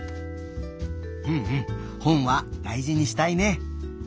うんうんほんはだいじにしたいね。